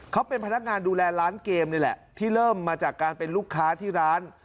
เขาเป็นพนักงานดูแลร้านเกมนี่แหละที่เริ่มมาจากการเป็นลูกค้าที่ร้าน